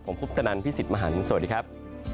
ผมพุทธนันทร์พี่สิทธิ์มหาลังค์สวัสดีครับ